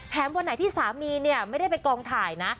วันไหนที่สามีเนี่ยไม่ได้ไปกองถ่ายนะ